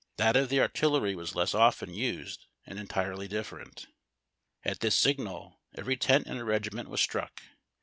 That of the artil lery was less often used and entirely different. At this signal, every tent in a regiment v/as struck.